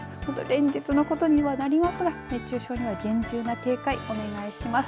連日のことにはなりますが熱中症には厳重な警戒をお願いします。